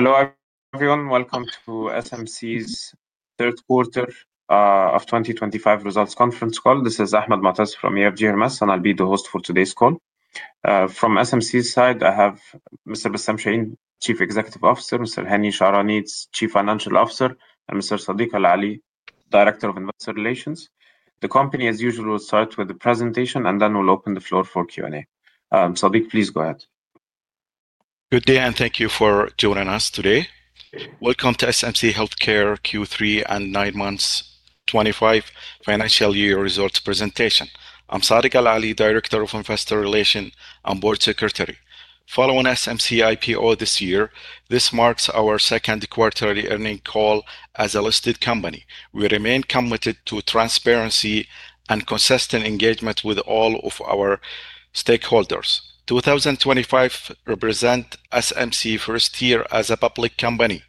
Hello everyone, welcome to SMC's third quarter of 2025 results conference call. This is Ahmed Moataz from EFG Hermes, and I'll be the host for today's call. From SMC's side, I have Mr. Bassam Chahine, Chief Executive Officer; Mr. Hany Charani, Chief Financial Officer; and Mr. Sadiq Al-Ali, Director of Investor Relations. The company, as usual, will start with the presentation, and then we'll open the floor for Q&A. Sadiq, please go ahead. Good day, and thank you for joining us today. Welcome to SMC Healthcare Q3 and 2025 financial year results presentation. I'm Sadiq Al-Ali, Director of Investor Relations and Board Secretary. Following SMC IPO this year, this marks our second quarterly earnings call as a listed company. We remain committed to transparency and consistent engagement with all of our stakeholders. 2025 represents SMC's first year as a public company,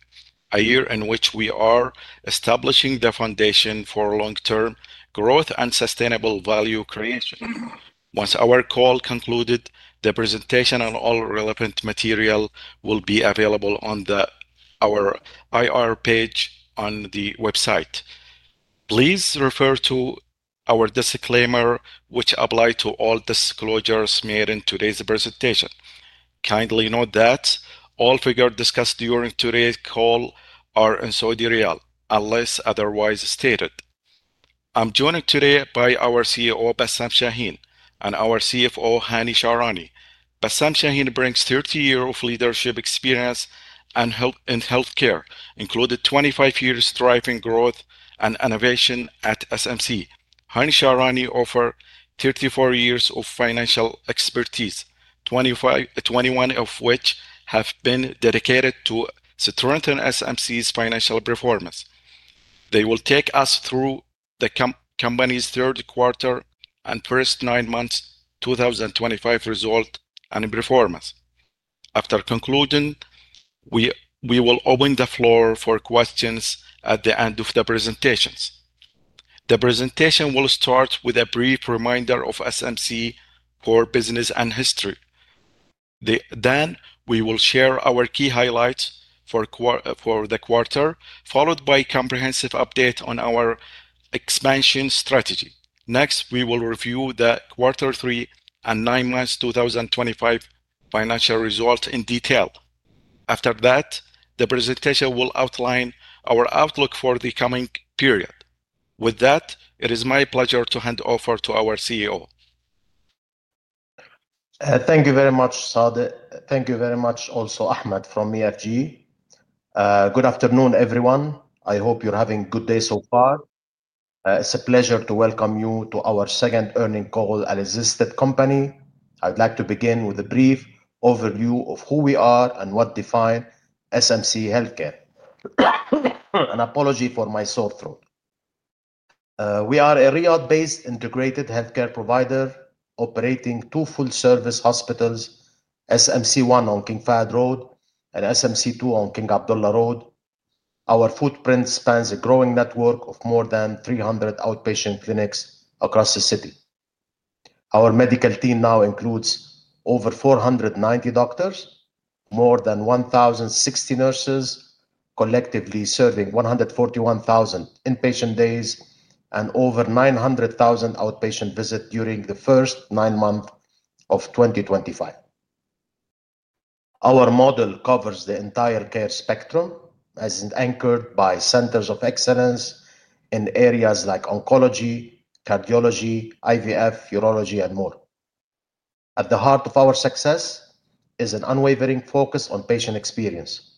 a year in which we are establishing the foundation for long-term growth and sustainable value creation. Once our call concluded, the presentation and all relevant material will be available on our IR page on the website. Please refer to our disclaimer, which applies to all disclosures made in today's presentation. Kindly note that all figures discussed during today's call are in SAR, unless otherwise stated. I'm joined today by our CEO, Bassam Chahine, and our CFO, Hany Charani. Bassam Chahine brings 30 years of leadership experience in healthcare, including 25 years of striving growth and innovation at SMC. Hany Charani offers 34 years of financial expertise, 21 of which have been dedicated to strengthening SMC's financial performance. They will take us through the company's third quarter and first nine months 2025 results and performance. After concluding, we will open the floor for questions at the end of the presentations. The presentation will start with a brief reminder of SMC's core business and history. Next, we will share our key highlights for the quarter, followed by a comprehensive update on our expansion strategy. Next, we will review the Q3 and nine months 2025 financial results in detail. After that, the presentation will outline our outlook for the coming period. With that, it is my pleasure to hand over to our CEO. Thank you very much, Sadiq. Thank you very much also, Ahmed from EFG. Good afternoon, everyone. I hope you're having a good day so far. It's a pleasure to welcome you to our second earnings call as a listed company. I'd like to begin with a brief overview of who we are and what defines SMC Healthcare. An apology for my sore throat. We are a Riyadh-based integrated healthcare provider operating two full-service hospitals: SMC One on King Fahd Road and SMC Two on King Abdullah Road. Our footprint spans a growing network of more than 300 outpatient clinics across the city. Our medical team now includes over 490 doctors, more than 1,060 nurses, collectively serving 141,000 inpatient days and over 900,000 outpatient visits during the first nine months of 2025. Our model covers the entire care spectrum, as it is anchored by centers of excellence in areas like oncology, cardiology, IVF, urology, and more. At the heart of our success is an unwavering focus on patient experience.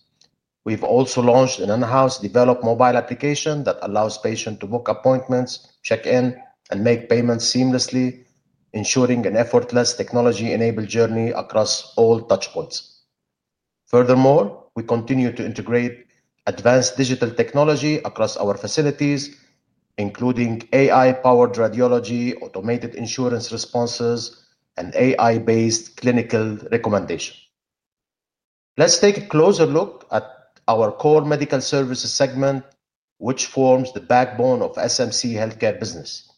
We've also launched an in-house developed mobile application that allows patients to book appointments, check in, and make payments seamlessly, ensuring an effortless technology-enabled journey across all touchpoints. Furthermore, we continue to integrate advanced digital technology across our facilities, including AI-powered radiology, automated insurance responses, and AI-based clinical recommendations. Let's take a closer look at our core medical services segment, which forms the backbone of SMC Healthcare business.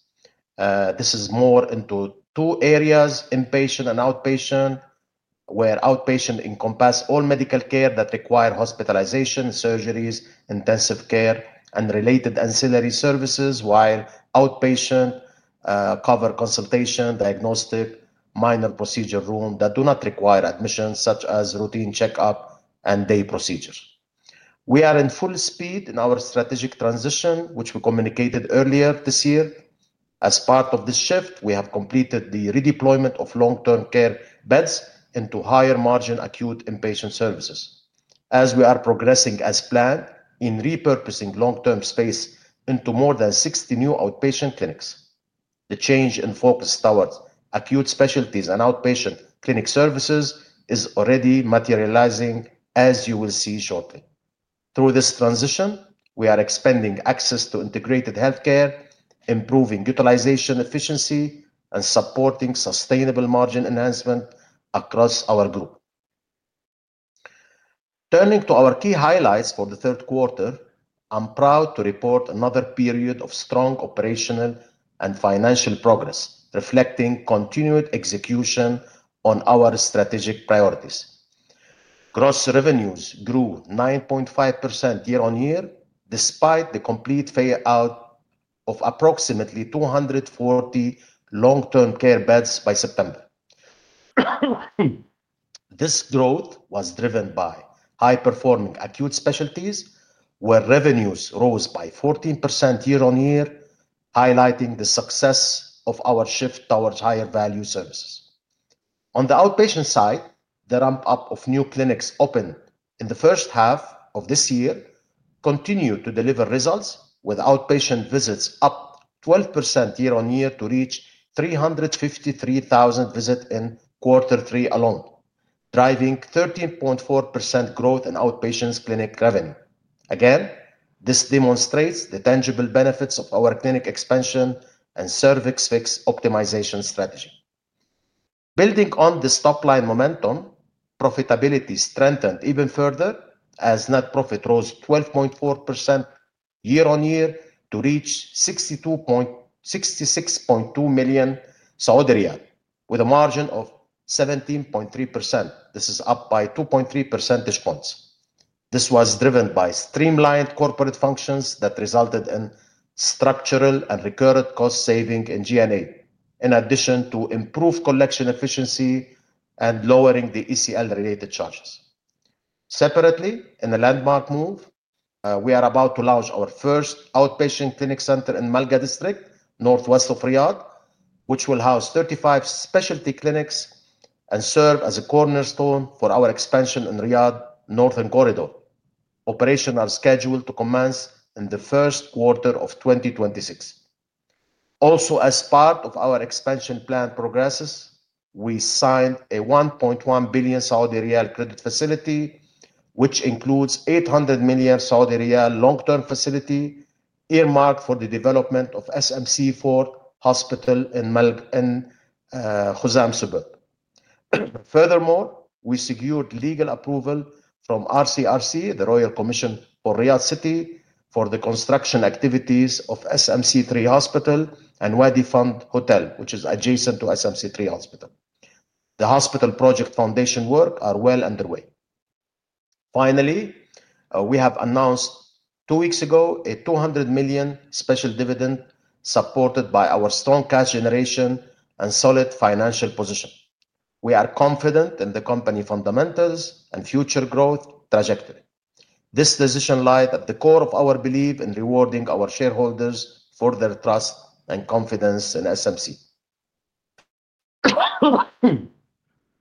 This is more into two areas: inpatient and outpatient, where inpatient encompasses all medical care that requires hospitalization, surgeries, intensive care, and related ancillary services, while outpatient covers consultation, diagnostic, and minor procedures that do not require admission, such as routine check-up and day procedures. We are in full speed in our strategic transition, which we communicated earlier this year. As part of this shift, we have completed the redeployment of long-term care beds into higher-margin acute inpatient services. As we are progressing as planned in repurposing long-term space into more than 60 new outpatient clinics, the change in focus towards acute specialties and outpatient clinic services is already materializing, as you will see shortly. Through this transition, we are expanding access to integrated healthcare, improving utilization efficiency, and supporting sustainable margin enhancement across our group. Turning to our key highlights for the third quarter, I'm proud to report another period of strong operational and financial progress, reflecting continued execution on our strategic priorities. Gross revenues grew 9.5% year-on-year, despite the complete fade-out of approximately 240 long-term care beds by September. This growth was driven by high-performing acute specialties, where revenues rose by 14% year-on-year, highlighting the success of our shift towards higher-value services. On the outpatient side, the ramp-up of new clinics opened in the first half of this year continued to deliver results, with outpatient visits up 12% year-on-year to reach 353,000 visits in Q3 alone, driving 13.4% growth in outpatient clinic revenue. Again, this demonstrates the tangible benefits of our clinic expansion and service mix optimization strategy. Building on the top-line momentum, profitability strengthened even further, as net profit rose 12.4% year-on-year to reach 66.2 million Saudi riyal, with a margin of 17.3%. This is up by 2.3 percentage points. This was driven by streamlined corporate functions that resulted in structural and recurrent cost savings in G&A, in addition to improved collection efficiency and lowering the ECL-related charges. Separately, in a landmark move, we are about to launch our first outpatient clinic center in Al Malqa District, northwest of Riyadh, which will house 35 specialty clinics and serve as a cornerstone for our expansion in Riyadh's northern corridor. Operations are scheduled to commence in the first quarter of 2026. Also, as part of our expansion plan progresses, we signed a 1.1 billion Saudi riyal credit facility, which includes a 800 million Saudi riyal long-term facility earmarked for the development of SMC Four Hospital in Al Khuzam. Furthermore, we secured legal approval from the RCRC for the construction activities of SMC Three Hospital and Wadi Fund Hotel, which is adjacent to SMC Three Hospital. The hospital project foundation works are well underway. Finally, we have announced two weeks ago a 200 million special dividend, supported by our strong cash generation and solid financial position. We are confident in the company's fundamentals and future growth trajectory. This decision lies at the core of our belief in rewarding our shareholders for their trust and confidence in SMC.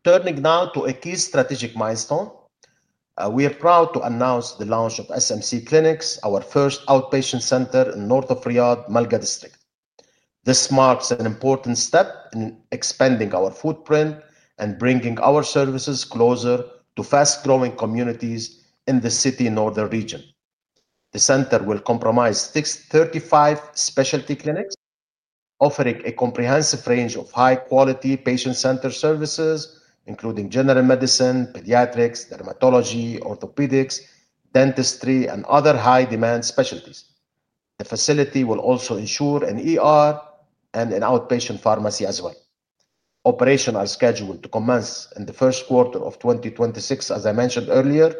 Turning now to a key strategic milestone, we are proud to announce the launch of SMC Clinics, our first outpatient center in northern Riyadh, Al Malqa District. This marks an important step in expanding our footprint and bringing our services closer to fast-growing communities in the city's northern region. The center will comprise 35 specialty clinics, offering a comprehensive range of high-quality patient-centered services, including general medicine, pediatrics, dermatology, orthopedics, dentistry, and other high-demand specialties. The facility will also ensure an outpatient pharmacy as well. Operations are scheduled to commence in the first quarter of 2026, as I mentioned earlier,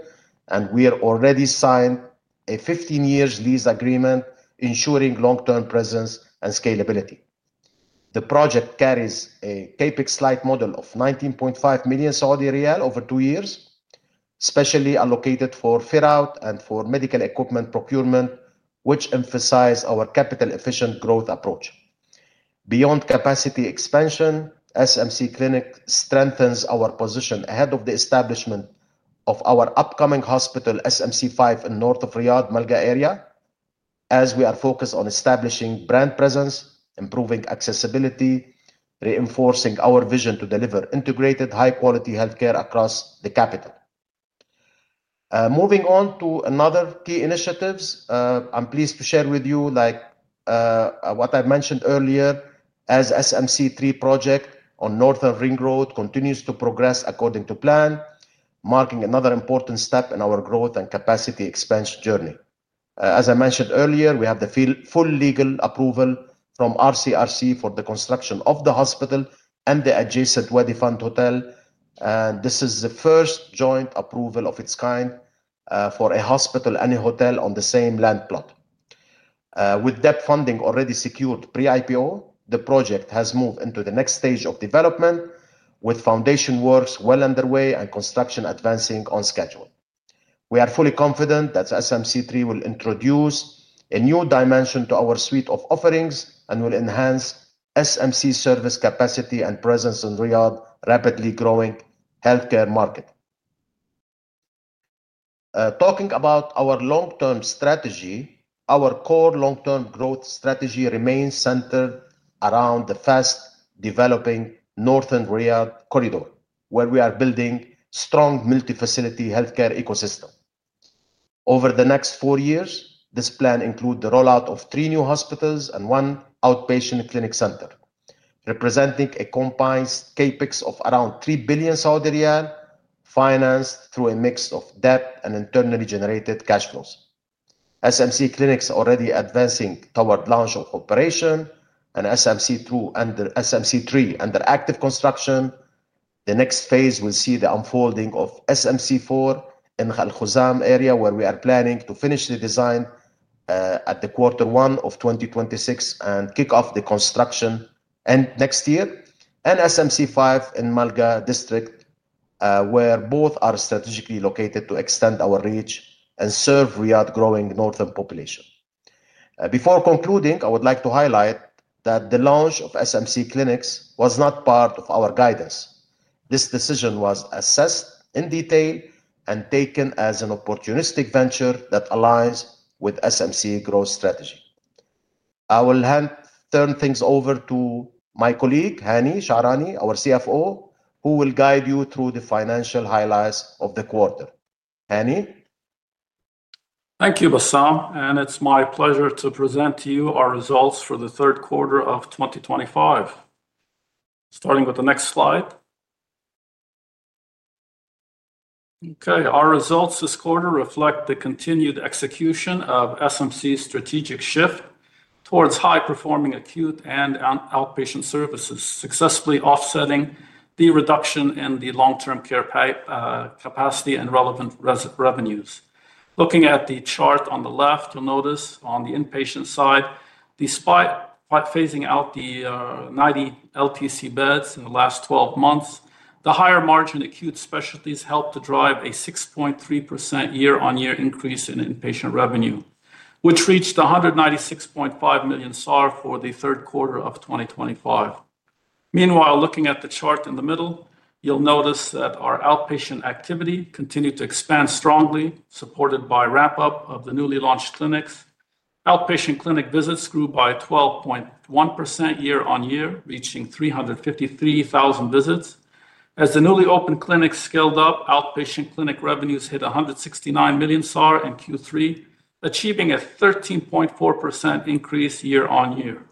and we have already signed a 15-year lease agreement ensuring long-term presence and scalability. The project carries a CapEx-like model of 19.5 million Saudi riyal over two years, specially allocated for [private health] and for medical equipment procurement, which emphasizes our capital-efficient growth approach. Beyond capacity expansion, SMC Clinics strengthens our position ahead of the establishment of our upcoming hospital, SMC Five, in northern Riyadh, Al Malqa area, as we are focused on establishing brand presence, improving accessibility, and reinforcing our vision to deliver integrated, high-quality healthcare across the capital. Moving on to another key initiative, I'm pleased to share with you, like what I mentioned earlier, as the SMC Three project on northern Ring Road continues to progress according to plan, marking another important step in our growth and capacity expanse journey. As I mentioned earlier, we have the full legal approval from RCRC for the construction of the hospital and the adjacent Wadi Fund Hotel. This is the first joint approval of its kind for a hospital and a hotel on the same land plot. With that funding already secured pre-IPO, the project has moved into the next stage of development, with foundation works well underway and construction advancing on schedule. We are fully confident that SMC Three will introduce a new dimension to our suite of offerings and will enhance SMC's service capacity and presence in Riyadh's rapidly growing healthcare market. Talking about our long-term strategy, our core long-term growth strategy remains centered around the fast-developing northern Riyadh corridor, where we are building a strong multi-facility healthcare ecosystem. Over the next four years, this plan includes the rollout of three new hospitals and one outpatient clinic center, representing a combined CapEx of around 3 billion Saudi riyal, financed through a mix of debt and internally generated cash flows. SMC Clinics is already advancing toward launch of operation, and SMC Three is under active construction. The next phase will see the unfolding of SMC Four in the Al Khuzam area, where we are planning to finish the design at Q1 of 2026 and kick off the construction next year, and SMC Five in Al Malqa District, where both are strategically located to extend our reach and serve Riyadh's growing northern population. Before concluding, I would like to highlight that the launch of SMC Clinics was not part of our guidance. This decision was assessed in detail and taken as an opportunistic venture that aligns with SMC's growth strategy. I will hand turn things over to my colleague, Hany Charani, our CFO, who will guide you through the financial highlights of the quarter. Hany. Thank you, Bassam. It's my pleasure to present to you our results for the third quarter of 2025. Starting with the next slide. Okay. Our results this quarter reflect the continued execution of SMC's strategic shift towards high-performing acute and outpatient services, successfully offsetting the reduction in the long-term care capacity and relevant revenues. Looking at the chart on the left, you'll notice on the inpatient side, despite phasing out the 90 LTC beds in the last 12 months, the higher-margin acute specialties helped to drive a 6.3% year-on-year increase in inpatient revenue, which reached 196.5 million SAR for the third quarter of 2025. Meanwhile, looking at the chart in the middle, you'll notice that our outpatient activity continued to expand strongly, supported by the ramp-up of the newly launched clinics. Outpatient clinic visits grew by 12.1% year-on-year, reaching 353,000 visits. As the newly opened clinics scaled up, outpatient clinic revenues hit 169 million SAR in Q3, achieving a 13.4% increase year-on-year.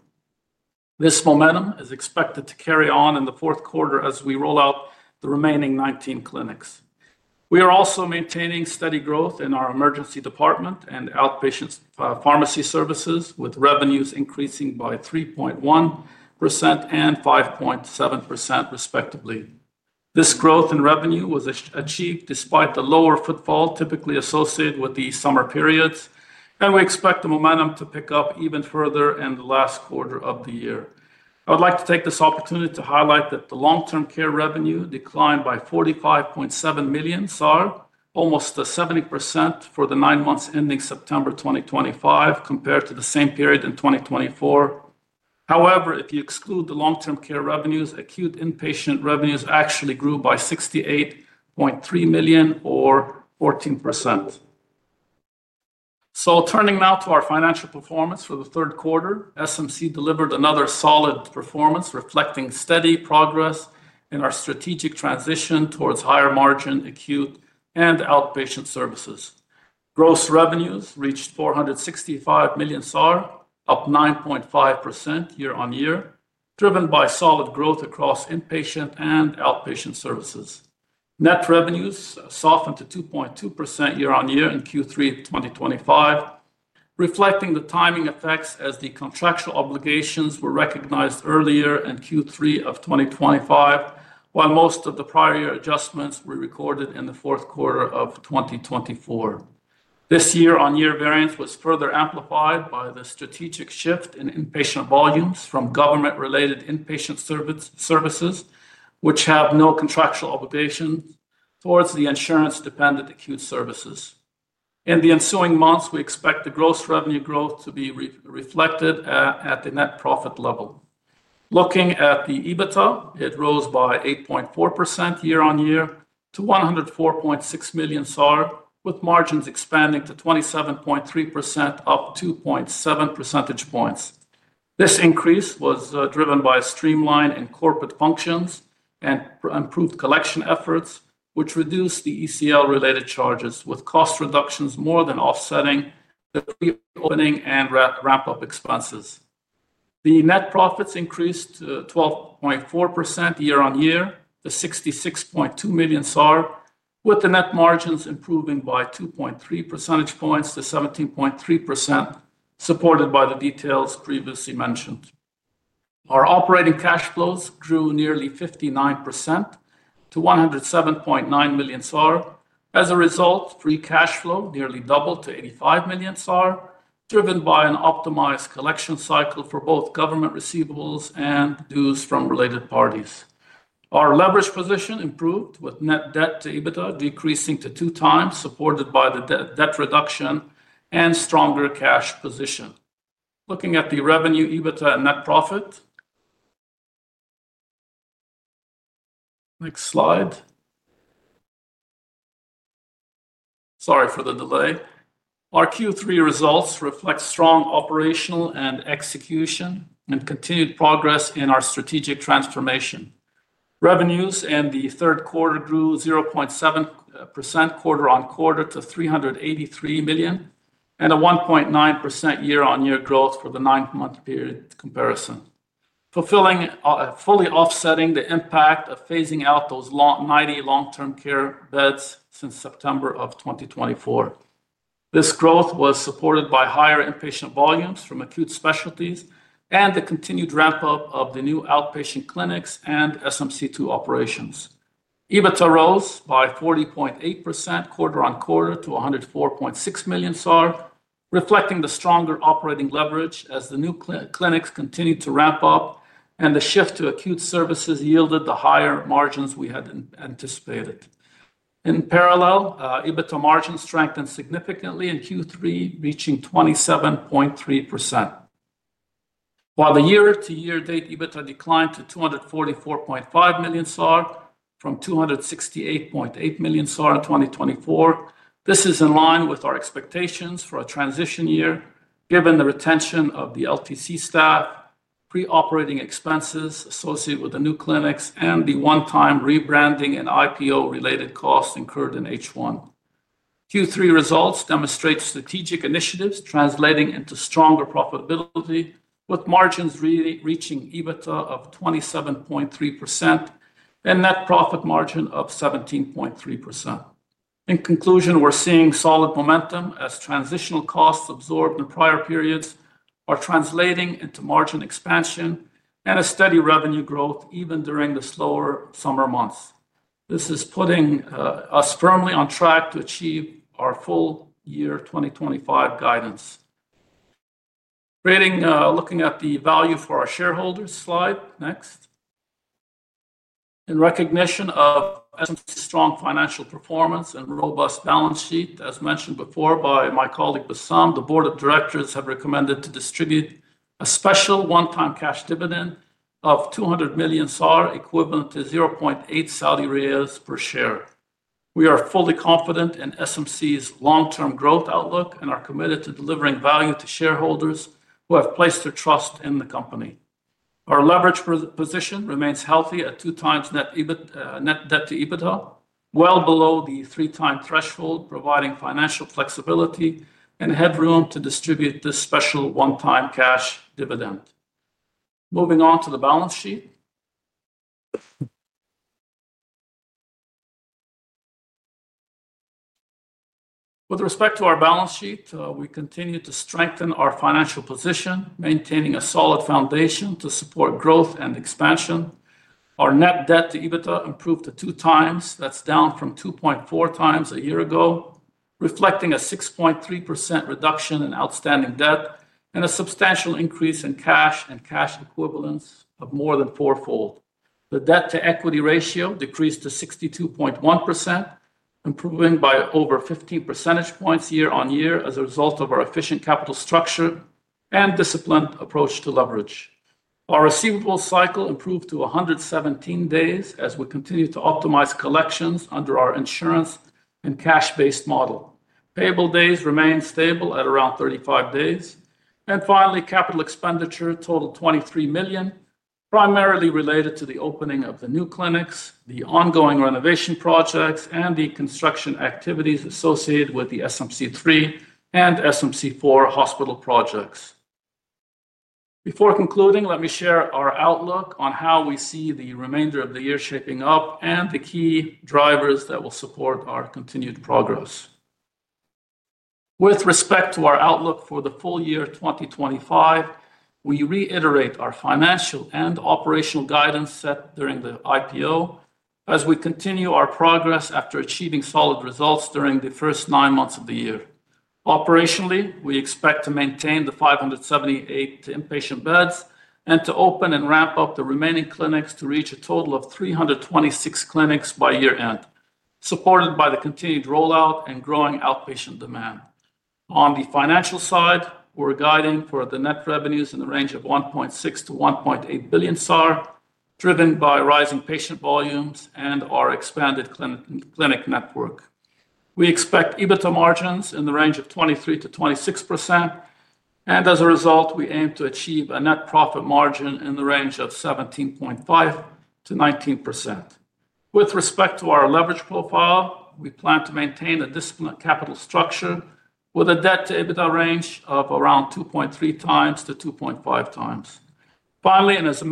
This momentum is expected to carry on in the fourth quarter as we roll out the remaining 19 clinics. We are also maintaining steady growth in our emergency department and outpatient pharmacy services, with revenues increasing by 3.1% and 5.7%, respectively. This growth in revenue was achieved despite the lower footfall typically associated with the summer periods, and we expect the momentum to pick up even further in the last quarter of the year. I would like to take this opportunity to highlight that the long-term care revenue declined by 45.7 million SAR, almost 70% for the nine months ending September 2025, compared to the same period in 2024. However, if you exclude the long-term care revenues, acute inpatient revenues actually grew by 68.3 million, or 14%. Turning now to our financial performance for the third quarter, SMC delivered another solid performance, reflecting steady progress in our strategic transition towards higher-margin acute and outpatient services. Gross revenues reached 465 million SAR, up 9.5% year-on-year, driven by solid growth across inpatient and outpatient services. Net revenues softened to 2.2% year-on-year in Q3 2025, reflecting the timing effects as the contractual obligations were recognized earlier in Q3 2025, while most of the prior year adjustments were recorded in the fourth quarter of 2024. This year-on-year variance was further amplified by the strategic shift in inpatient volumes from government-related inpatient services, which have no contractual obligations, towards the insurance-dependent acute services. In the ensuing months, we expect the gross revenue growth to be reflected at the net profit level. Looking at the EBITDA, it rose by 8.4% year-on-year to 104.6 million SAR, with margins expanding to 27.3%, up 2.7 percentage points. This increase was driven by streamlined corporate functions and improved collection efforts, which reduced the ECL-related charges, with cost reductions more than offsetting the pre-opening and ramp-up expenses. The net profits increased to 12.4% year-on-year to 66.2 million SAR, with the net margins improving by 2.3 percentage points to 17.3%, supported by the details previously mentioned. Our operating cash flows grew nearly 59% to 107.9 million SAR. As a result, free cash flow nearly doubled to 85 million SAR, driven by an optimized collection cycle for both government receivables and dues from related parties. Our leverage position improved, with net debt to EBITDA decreasing to 2x, supported by the debt reduction and stronger cash position. Looking at the revenue, EBITDA, and net profit. Next slide. Sorry for the delay. Our Q3 results reflect strong operational and execution and continued progress in our strategic transformation. Revenues in the third quarter grew 0.7% quarter-on-quarter to 383 million and a 1.9% year-on-year growth for the nine-month period comparison, fully offsetting the impact of phasing out those 90 long-term care beds since September of 2024. This growth was supported by higher inpatient volumes from acute specialties and the continued ramp-up of the new outpatient clinics and SMC Two operations. EBITDA rose by 40.8% quarter-on-quarter to 104.6 million SAR, reflecting the stronger operating leverage as the new clinics continued to ramp up and the shift to acute services yielded the higher margins we had anticipated. In parallel, EBITDA margins strengthened significantly in Q3, reaching 27.3%. While the year-to-year date EBITDA declined to 244.5 million SAR from 268.8 million SAR in 2024, this is in line with our expectations for a transition year, given the retention of the LTC staff, pre-operating expenses associated with the new clinics, and the one-time rebranding and IPO-related costs incurred in H1. Q3 results demonstrate strategic initiatives translating into stronger profitability, with margins reaching EBITDA of 27.3% and net profit margin of 17.3%. In conclusion, we're seeing solid momentum as transitional costs absorbed in prior periods are translating into margin expansion and a steady revenue growth even during the slower summer months. This is putting us firmly on track to achieve our full year 2025 guidance. Looking at the value for our shareholders slide next. In recognition of SMC's strong financial performance and robust balance sheet, as mentioned before by my colleague Bassam, the board of directors have recommended to distribute a special one-time cash dividend of 200 million SAR, equivalent to 0.8 per share. We are fully confident in SMC's long-term growth outlook and are committed to delivering value to shareholders who have placed their trust in the company. Our leverage position remains healthy at 2x net debt to EBITDA, well below the three-time threshold, providing financial flexibility and headroom to distribute this special one-time cash dividend. Moving on to the balance sheet. With respect to our balance sheet, we continue to strengthen our financial position, maintaining a solid foundation to support growth and expansion. Our net debt to EBITDA improved to 2x. That's down from 2.4x a year ago, reflecting a 6.3% reduction in outstanding debt and a substantial increase in cash and cash equivalents of more than fourfold. The debt-to-equity ratio decreased to 62.1%, improving by over 15 percentage points year-on-year as a result of our efficient capital structure and disciplined approach to leverage. Our receivables cycle improved to 117 days as we continue to optimize collections under our insurance and cash-based model. Payable days remain stable at around 35 days. Finally, capital expenditure totaled 23 million, primarily related to the opening of the new clinics, the ongoing renovation projects, and the construction activities associated with the SMC Three and SMC Four hospital projects. Before concluding, let me share our outlook on how we see the remainder of the year shaping up and the key drivers that will support our continued progress. With respect to our outlook for the full year 2025, we reiterate our financial and operational guidance set during the IPO as we continue our progress after achieving solid results during the first nine months of the year. Operationally, we expect to maintain the 578 inpatient beds and to open and ramp up the remaining clinics to reach a total of 326 clinics by year-end, supported by the continued rollout and growing outpatient demand. On the financial side, we're guiding for the net revenues in the range of 1.6 billion-1.8 billion SAR, driven by rising patient volumes and our expanded clinic network. We expect EBITDA margins in the range of 23%-26%, and as a result, we aim to achieve a net profit margin in the range of 17.5%-19%. With respect to our leverage profile, we plan to maintain a disciplined capital structure with a debt-to-EBITDA range of around 2.3x-2.5x. Finally, and as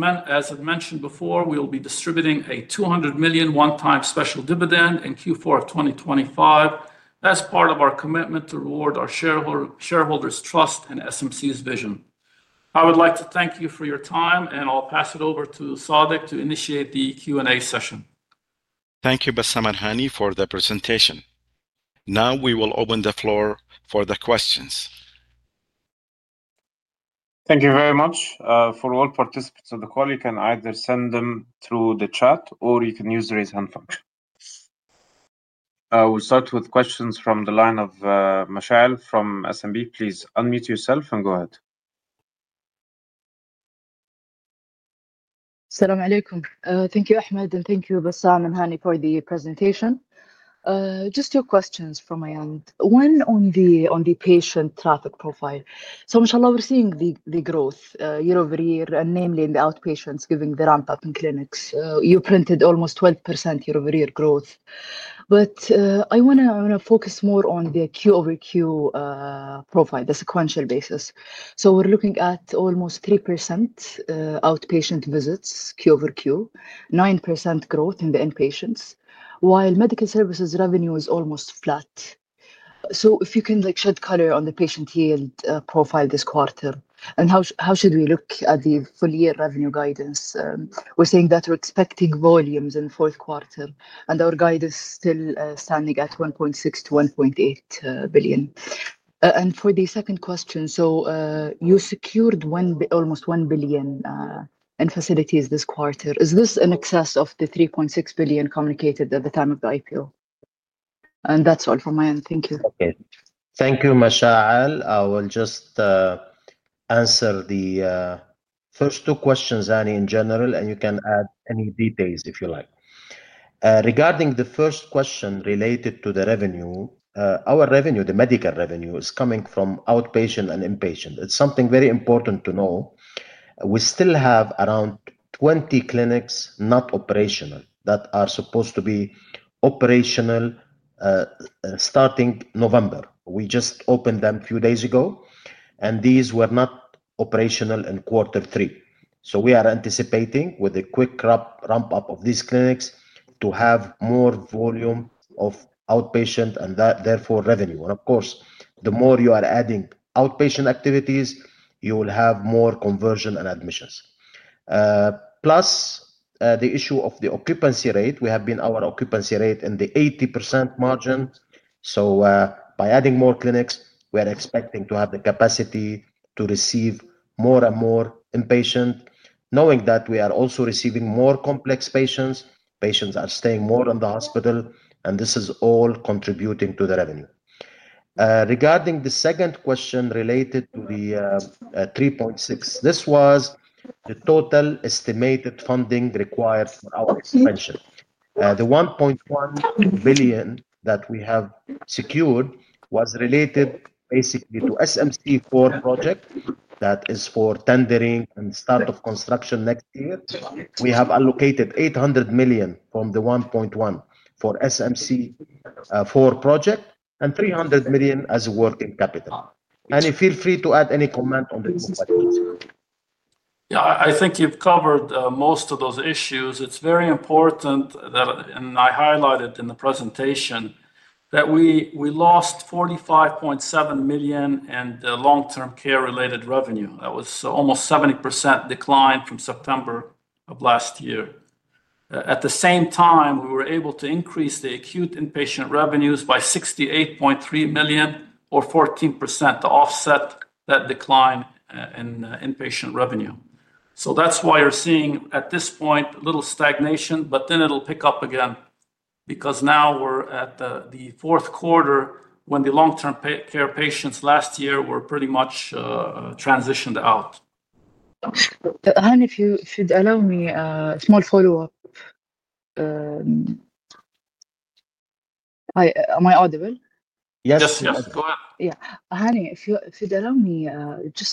mentioned before, we will be distributing a 200 million one-time special dividend in Q4 of 2025 as part of our commitment to reward our shareholders' trust in SMC's vision. I would like to thank you for your time, and I'll pass it over to Sadiq to initiate the Q&A session. Thank you, Bassam and Hany, for the presentation. Now we will open the floor for the questions. Thank you very much for all participants. The call, you can either send them through the chat or you can use the raise hand function. We'll start with questions from the line of Mashal from SMC. Please unmute yourself and go ahead. Thank you, Ahmed, and thank you, Bassam and Hany, for the presentation. Just two questions from my end. One on the patient traffic profile. So inshallah, we're seeing the growth year over year, and namely in the outpatients giving the ramp-up in clinics. You printed almost 12% year-over-year growth. I want to focus more on the Q over Q profile, the sequential basis. We're looking at almost 3% outpatient visits, Q over Q, 9% growth in the inpatients, while medical services revenue is almost flat. If you can shed color on the patient yield profile this quarter, and how should we look at the full-year revenue guidance? We're saying that we're expecting volumes in the fourth quarter, and our guidance is still standing at 1.6 billion-1.8 billion. For the second question, you secured almost 1 billion in facilities this quarter. Is this in excess of the 3.6 billion communicated at the time of the IPO? That's all from my end. Thank you. Okay. Thank you, Mashal. I will just answer the first two questions, Hany, in general, and you can add any details if you like. Regarding the first question related to the revenue, our revenue, the medical revenue, is coming from outpatient and inpatient. It's something very important to know. We still have around 20 clinics not operational that are supposed to be operational starting November. We just opened them a few days ago, and these were not operational in quarter three. We are anticipating, with a quick ramp-up of these clinics, to have more volume of outpatient and therefore revenue. Of course, the more you are adding outpatient activities, you will have more conversion and admissions. Plus, the issue of the occupancy rate. We have been our occupancy rate in the 80% margin. By adding more clinics, we are expecting to have the capacity to receive more and more inpatient, knowing that we are also receiving more complex patients. Patients are staying more in the hospital, and this is all contributing to the revenue. Regarding the second question related to the 3.6 billion, this was the total estimated funding required for our expansion. The 1.1 billion that we have secured was related basically to SMC Four project that is for tendering and start of construction next year. We have allocated 800 million from the 1.1 billion for SMC Four project and 300 million as working capital. Hany, feel free to add any comment on the compilation. Yeah, I think you've covered most of those issues. It's very important that, and I highlighted in the presentation, that we lost 45.7 million in the long-term care-related revenue. That was almost a 70% decline from September of last year. At the same time, we were able to increase the acute inpatient revenues by 68.3 million, or 14%, to offset that decline in inpatient revenue. That's why you're seeing at this point a little stagnation, but then it'll pick up again because now we're at the fourth quarter when the long-term care patients last year were pretty much transitioned out. Hany, if you'd allow me a small follow-up. Am I audible? Yes. Yes. Yeah. Hany, if you'd allow me just a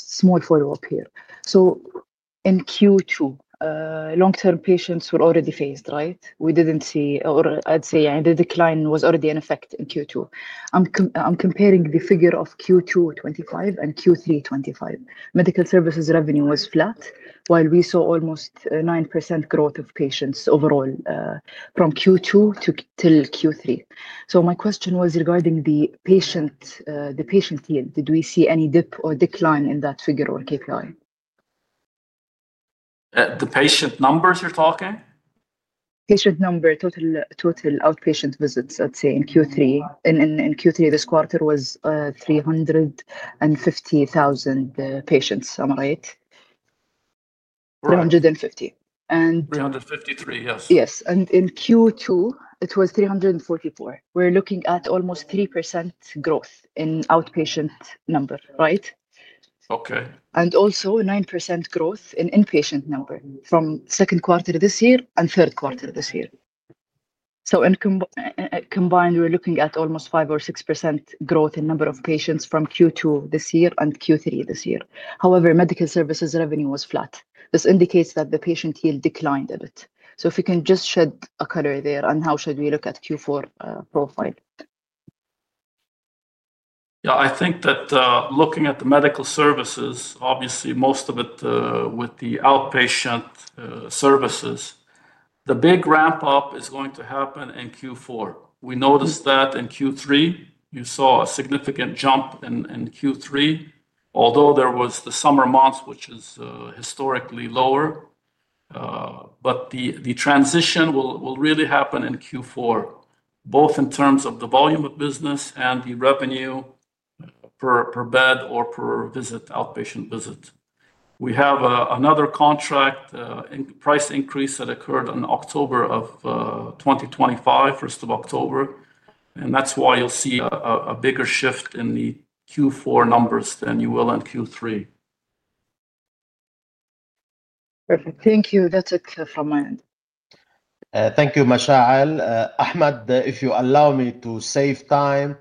small follow-up here. In Q2, long-term patients were already phased, right? We didn't see, or I'd say the decline was already in effect in Q2. I'm comparing the figure of Q2 2025 and Q3 2025. Medical services revenue was flat, while we saw almost 9% growth of patients overall from Q2 till Q3. My question was regarding the patient yield. Did we see any dip or decline in that figure or KPI? The patient numbers you're talking? Patient number, total outpatient visits, I'd say in Q3. In Q3, this quarter was 350,000 patients, am I right? 350. 353, yes. Yes. In Q2, it was 344. We're looking at almost 3% growth in outpatient number, right? Okay. was also 9% growth in inpatient number from second quarter this year and third quarter this year. Combined, we're looking at almost 5%-6% growth in number of patients from Q2 this year and Q3 this year. However, medical services revenue was flat. This indicates that the patient yield declined a bit. If you can just shed a color there on how should we look at Q4 profile. Yeah, I think that looking at the medical services, obviously most of it with the outpatient services, the big ramp-up is going to happen in Q4. We noticed that in Q3. You saw a significant jump in Q3, although there were the summer months, which is historically lower. The transition will really happen in Q4, both in terms of the volume of business and the revenue per bed or per outpatient visit. We have another contract price increase that occurred in October of 2025, 1st of October. That is why you'll see a bigger shift in the Q4 numbers than you will in Q3. Perfect. Thank you, Sadiq, from my end. Thank you, Mashal. Ahmed, if you allow me to save time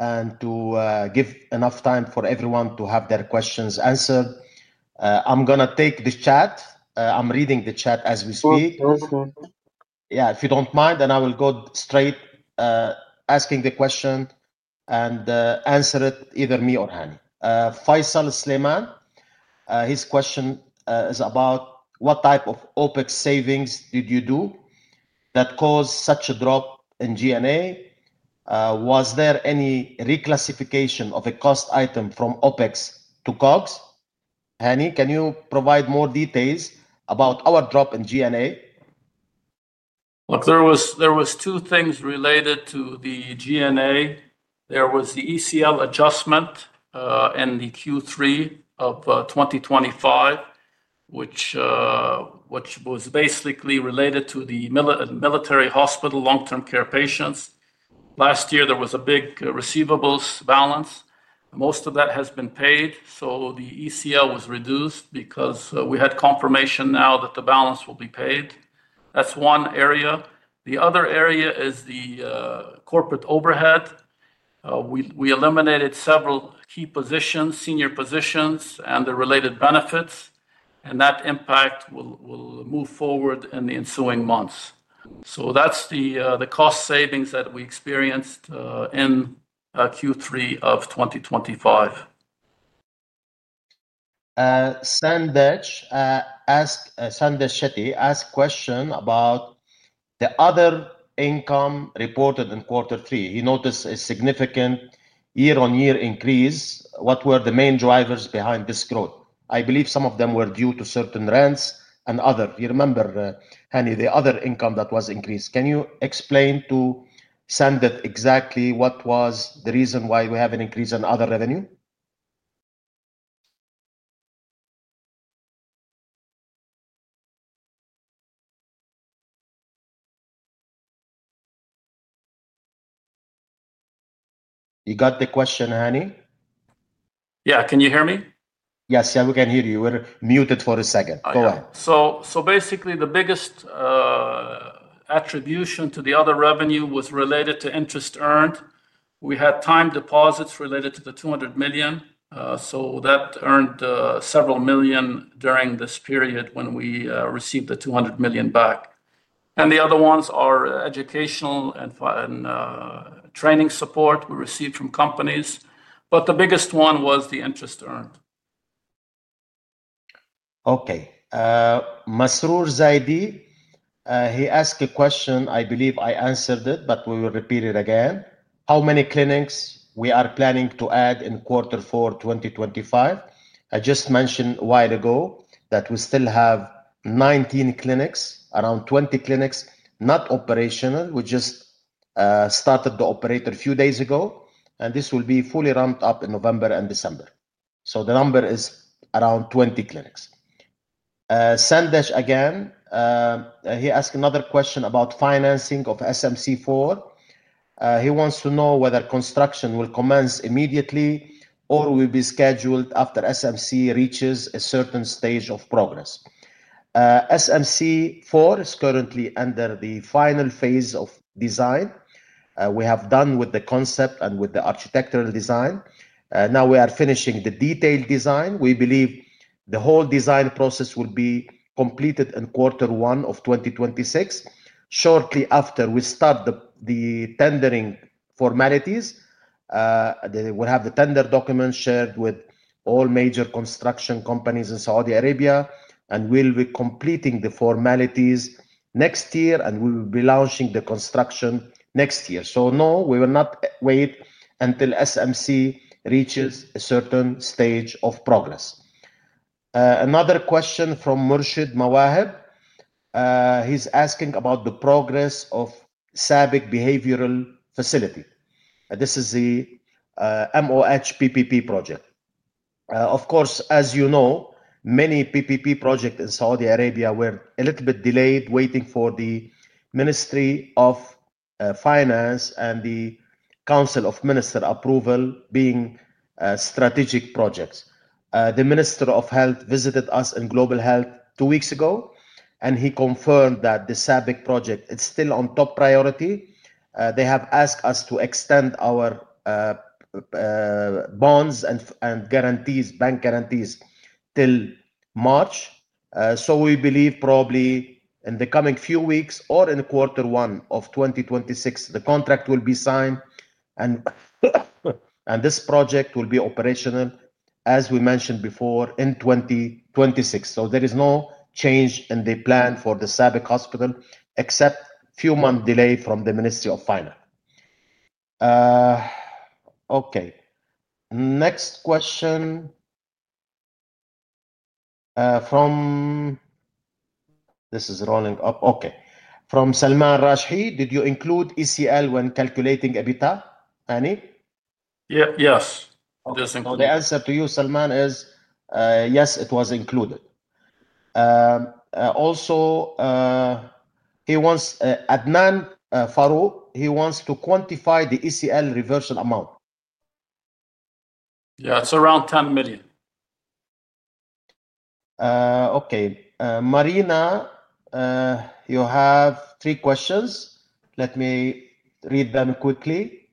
and to give enough time for everyone to have their questions answered, I'm going to take the chat. I'm reading the chat as we speak. Okay. Yeah, if you don't mind, then I will go straight asking the question and answer it, either me or Hany. Faisal Sliman, his question is about what type of OpEx savings did you do that caused such a drop in G&A? Was there any reclassification of a cost item from OpEx to COGS? Hany, can you provide more details about our drop in G&A? Look, there were two things related to the G&A. There was the ECL adjustment in Q3 of 2025, which was basically related to the military hospital long-term care patients. Last year, there was a big receivables balance. Most of that has been paid. So the ECL was reduced because we had confirmation now that the balance will be paid. That's one area. The other area is the corporate overhead. We eliminated several key positions, senior positions, and the related benefits. That impact will move forward in the ensuing months. That's the cost savings that we experienced in Q3 of 2025. Sandesh Shetty asked a question about the other income reported in quarter three. He noticed a significant year-on-year increase. What were the main drivers behind this growth? I believe some of them were due to certain rents and others. You remember, Hany, the other income that was increased. Can you explain to Sandesh exactly what was the reason why we have an increase in other revenue? You got the question, Hany? Yeah, can you hear me? Yes, yeah, we can hear you. You were muted for a second. Okay. Go ahead. Basically, the biggest attribution to the other revenue was related to interest earned. We had time deposits related to the 200 million. That earned several million during this period when we received the 200 million back. The other ones are educational and training support we received from companies. The biggest one was the interest earned. Okay. Masroor Zaidi, he asked a question. I believe I answered it, but we will repeat it again. How many clinics are we planning to add in quarter four, 2025? I just mentioned a while ago that we still have 19 clinics, around 20 clinics, not operational. We just started the operator a few days ago, and this will be fully ramped up in November and December. The number is around 20 clinics. Sandesh, again, he asked another question about financing of SMC Four. He wants to know whether construction will commence immediately or will be scheduled after SMC reaches a certain stage of progress. SMC Four is currently under the final phase of design. We have done with the concept and with the architectural design. Now we are finishing the detailed design. We believe the whole design process will be completed in quarter one of 2026. Shortly after we start the tendering formalities, we'll have the tender documents shared with all major construction companies in Saudi Arabia, and we'll be completing the formalities next year, and we will be launching the construction next year. No, we will not wait until SMC reaches a certain stage of progress. Another question from Murshid Mawahib. He's asking about the progress of Sabic Behavioral Facility. This is the MOH PPP project. Of course, as you know, many PPP projects in Saudi Arabia were a little bit delayed waiting for the Ministry of Finance and the Council of Ministers approval being strategic projects. The Minister of Health visited us in Global Health two weeks ago, and he confirmed that the Sabic project is still on top priority. They have asked us to extend our bonds and guarantees, bank guarantees, till March. We believe probably in the coming few weeks or in quarter one of 2026, the contract will be signed, and this project will be operational, as we mentioned before, in 2026. There is no change in the plan for the Sabic hospital except a few months' delay from the Ministry of Finance. Okay. Next question from this is rolling up. Okay. From Sulaiman Rajhi, did you include ECL when calculating EBITDA, Hany? Yes. I didn't include it. The answer to you, Salman, is yes, it was included. Also, Adnan Farooq, he wants to quantify the ECL reversal amount. Yeah, it's around SAR 10 million. Okay. Marina, you have three questions. Let me read them quickly.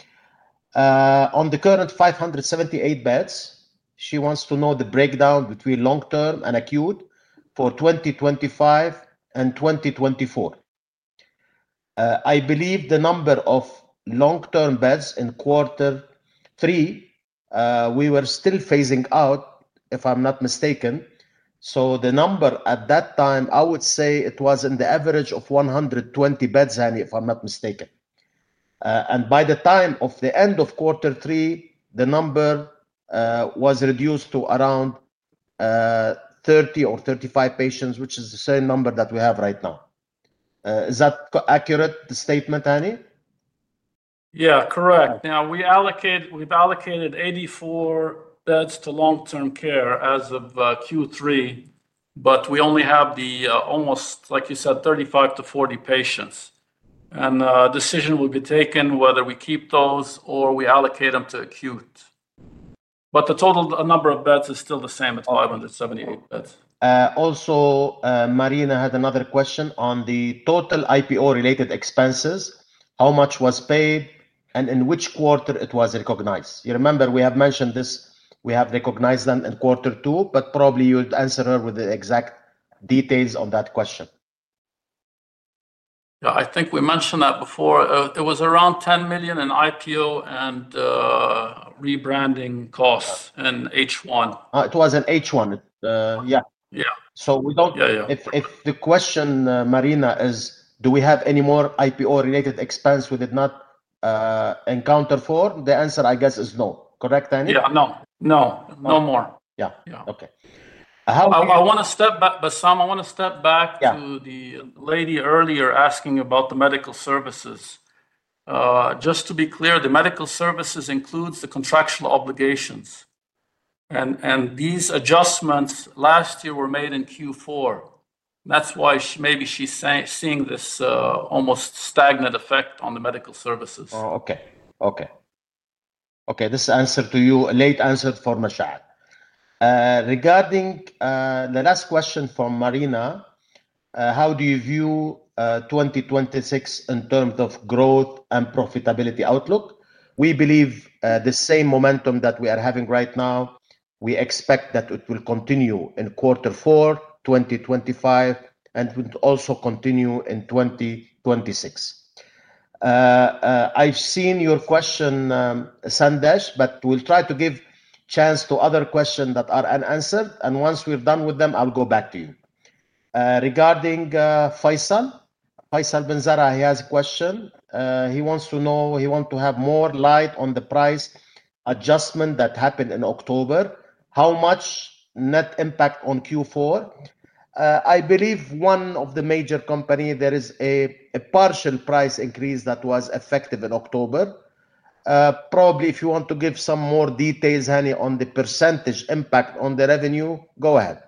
On the current 578 beds, she wants to know the breakdown between long-term and acute for 2025 and 2024. I believe the number of long-term beds in quarter three, we were still phasing out, if I'm not mistaken. The number at that time, I would say it was in the average of 120 beds, Hany, if I'm not mistaken. By the time of the end of quarter three, the number was reduced to around 30 or 35 patients, which is the same number that we have right now. Is that accurate, the statement, Hany? Yeah, correct. Now, we've allocated 84 beds to long-term care as of Q3, but we only have the almost, like you said, 35-40 patients. A decision will be taken whether we keep those or we allocate them to acute. The total number of beds is still the same. It's 578 beds. Also, Marina had another question on the total IPO-related expenses. How much was paid, and in which quarter it was recognized? You remember we have mentioned this. We have recognized them in quarter two, but probably you'd answer her with the exact details on that question. Yeah, I think we mentioned that before. It was around 10 million in IPO and rebranding costs in H1. It was in H1, yeah. Yeah. We don't. Yeah, yeah. If the question, Marina, is, do we have any more IPO-related expense we did not encounter for, the answer, I guess, is no. Correct, Hany? Yeah, no. No more. Yeah. Okay. I want to step back, Bassam. I want to step back to the lady earlier asking about the medical services. Just to be clear, the medical services includes the contractual obligations. These adjustments last year were made in Q4. That's why maybe she's seeing this almost stagnant effect on the medical services. Oh, okay. Okay. Okay. This answer to you, a late answer for Mashal. Regarding the last question from Marina, how do you view 2026 in terms of growth and profitability outlook? We believe the same momentum that we are having right now. We expect that it will continue in quarter four, 2025, and would also continue in 2026. I've seen your question, Sandesh, but we'll try to give a chance to other questions that are unanswered. Once we're done with them, I'll go back to you. Regarding Faisal, Faisal Bin Zara, he has a question. He wants to know, he wants to have more light on the price adjustment that happened in October. How much net impact on Q4? I believe one of the major companies, there is a partial price increase that was effective in October. Probably if you want to give some more details, Hany, on the percentage impact on the revenue, go ahead.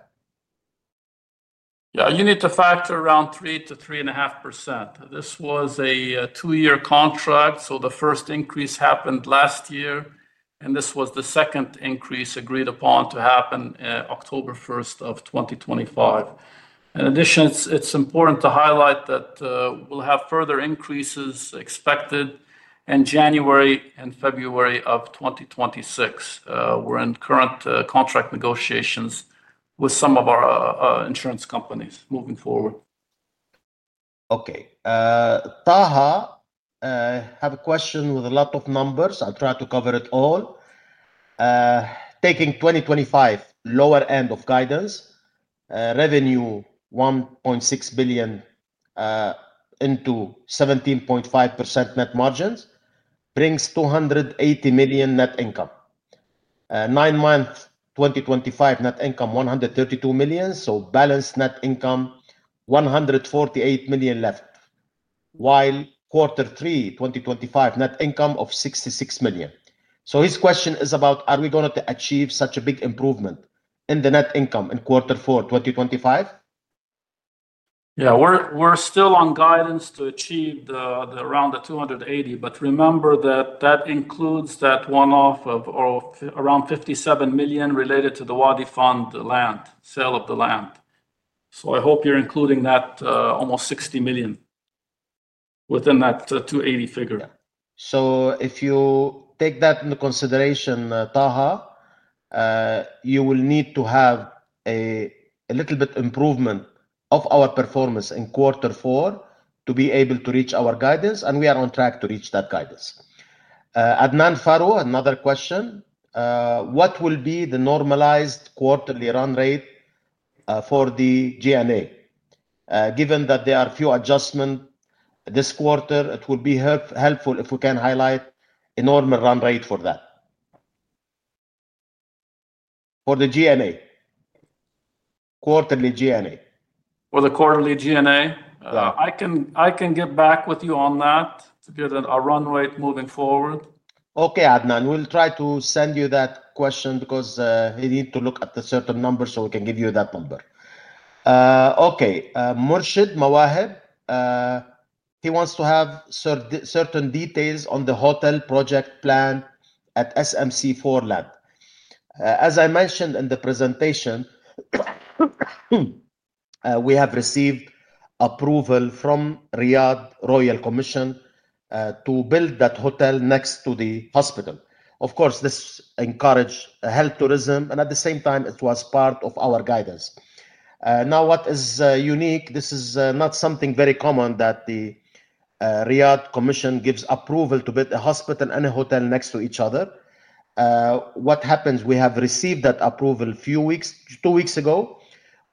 Yeah, you need to factor around 3%-3.5%. This was a two-year contract. The first increase happened last year, and this was the second increase agreed upon to happen October 1, 2025. In addition, it's important to highlight that we'll have further increases expected in January and February of 2026. We're in current contract negotiations with some of our insurance companies moving forward. Okay. Taha, I have a question with a lot of numbers. I'll try to cover it all. Taking 2025 lower end of guidance, revenue 1.6 billion into 17.5% net margins brings 280 million net income. Nine months 2025, net income 132 million. So balanced net income 148 million left, while quarter three 2025, net income of 66 million. His question is about, are we going to achieve such a big improvement in the net income in quarter four 2025? Yeah, we're still on guidance to achieve around the 280, but remember that that includes that one-off of around 57 million related to the Wadi Fund land, sale of the land. I hope you're including that almost 60 million within that 280 figure. If you take that into consideration, Taha, you will need to have a little bit improvement of our performance in quarter four to be able to reach our guidance, and we are on track to reach that guidance. Adnan Farooq, another question. What will be the normalized quarterly run rate for the G&A? Given that there are few adjustments this quarter, it will be helpful if we can highlight a normal run rate for that. For the G&A, quarterly G&A. For the quarterly G&A? Yeah. I can get back with you on that. Considered a run rate moving forward. Okay, Adnan. We'll try to send you that question because he needs to look at the certain numbers so we can give you that number. Okay. Murshid Mawahib, he wants to have certain details on the hotel project plan at SMC Fourland. As I mentioned in the presentation, we have received approval from Royal Commission for Riyadh City to build that hotel next to the hospital. Of course, this encourages health tourism, and at the same time, it was part of our guidance. Now, what is unique, this is not something very common that the Riyadh Commission gives approval to build a hospital and a hotel next to each other. What happens, we have received that approval two weeks ago.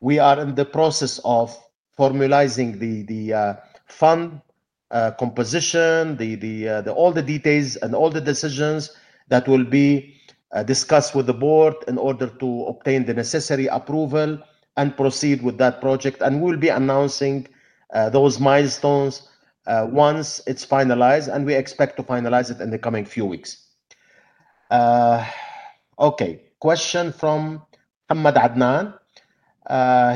We are in the process of formalizing the fund composition, all the details, and all the decisions that will be discussed with the board in order to obtain the necessary approval and proceed with that project. We will be announcing those milestones once it is finalized, and we expect to finalize it in the coming few weeks. Okay. Question from Mohammad Adnan.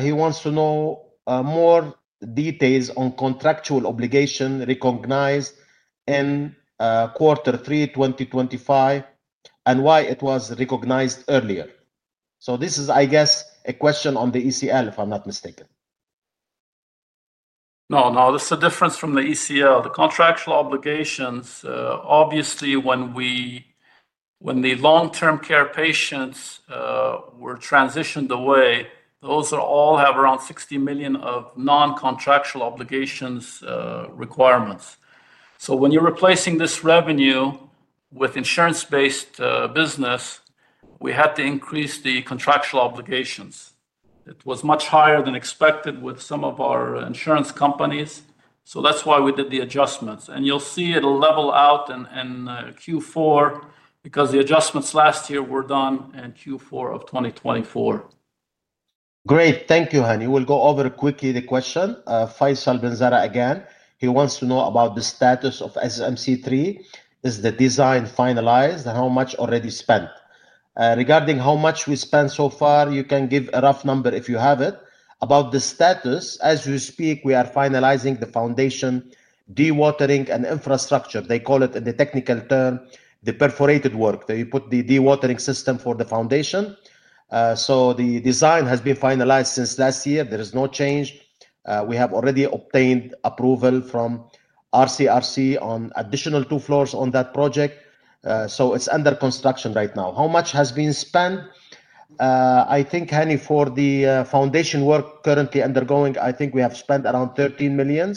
He wants to know more details on contractual obligations recognized in quarter three, 2025, and why it was recognized earlier. This is, I guess, a question on the ECL, if I am not mistaken. No, no. That's the difference from the ECL. The contractual obligations, obviously, when the long-term care patients were transitioned away, those all have around 60 million of non-contractual obligations requirements. When you're replacing this revenue with insurance-based business, we had to increase the contractual obligations. It was much higher than expected with some of our insurance companies. That's why we did the adjustments. You'll see it'll level out in Q4 because the adjustments last year were done in Q4 of 2024. Great. Thank you, Hany. We'll go over quickly the question. Faisal Bin Zara again. He wants to know about the status of SMC Three. Is the design finalized and how much already spent? Regarding how much we spent so far, you can give a rough number if you have it. About the status, as we speak, we are finalizing the foundation, dewatering, and infrastructure. They call it in the technical term the perforated work. They put the dewatering system for the foundation. The design has been finalized since last year. There is no change. We have already obtained approval from RCRC on additional two floors on that project. It is under construction right now. How much has been spent? I think, Hany, for the foundation work currently undergoing, I think we have spent around 13 million.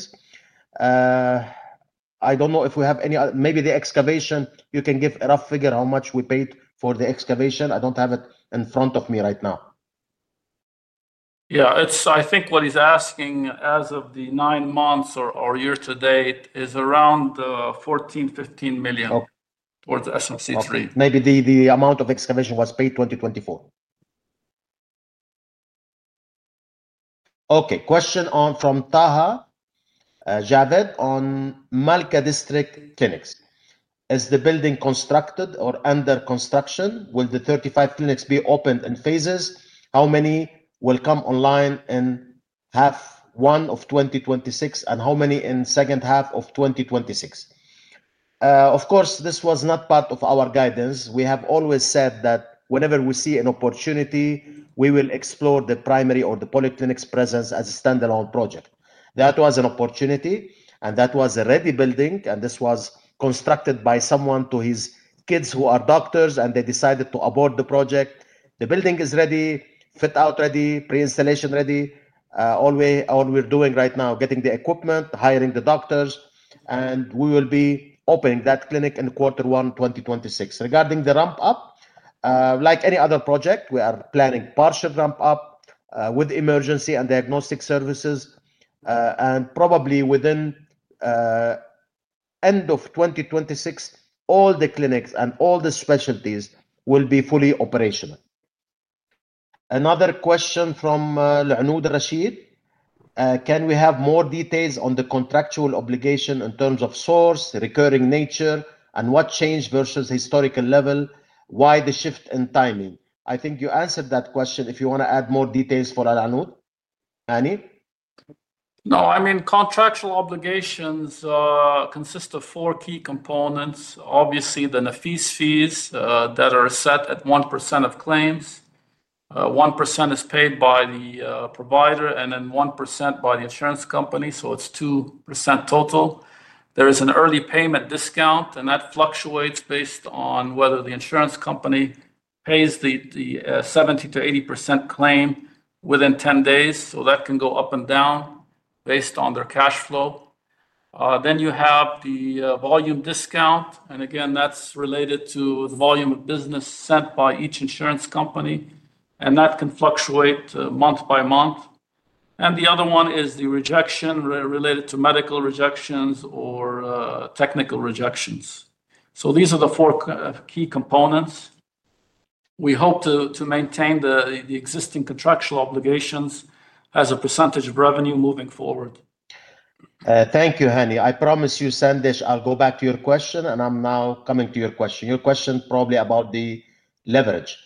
I don't know if we have any, maybe the excavation, you can give a rough figure how much we paid for the excavation. I don't have it in front of me right now. Yeah. I think what he's asking as of the nine months or year to date is around 14 million-15 million for the SMC Three. Maybe the amount of excavation was paid 2024. Okay. Question from Taha Javed on Malqa District Clinics. Is the building constructed or under construction? Will the 35 clinics be opened in phases? How many will come online in half one of 2026, and how many in second half of 2026? Of course, this was not part of our guidance. We have always said that whenever we see an opportunity, we will explore the primary or the polyclinics presence as a standalone project. That was an opportunity, and that was a ready building, and this was constructed by someone to his kids who are doctors, and they decided to abort the project. The building is ready, fit-out ready, pre-installation ready. All we're doing right now, getting the equipment, hiring the doctors, and we will be opening that clinic in quarter one, 2026. Regarding the ramp-up, like any other project, we are planning partial ramp-up with emergency and diagnostic services. Probably within the end of 2026, all the clinics and all the specialties will be fully operational. Another question from [Lanud Rashid]. Can we have more details on the contractual obligation in terms of source, recurring nature, and what changed versus historical level, why the shift in timing? I think you answered that question if you want to add more details for [Lanud], Hany. No, I mean, contractual obligations consist of four key components. Obviously, the Nafees fees that are set at 1% of claims. 1% is paid by the provider and then 1% by the insurance company. So it is 2% total. There is an early payment discount, and that fluctuates based on whether the insurance company pays the 70%-80% claim within 10 days. That can go up and down based on their cash flow. You have the volume discount. Again, that is related to the volume of business sent by each insurance company. That can fluctuate month by month. The other one is the rejection related to medical rejections or technical rejections. These are the four key components. We hope to maintain the existing contractual obligations as a percentage of revenue moving forward. Thank you, Hany. I promise you, Sandesh, I'll go back to your question, and I'm now coming to your question. Your question probably about the leverage.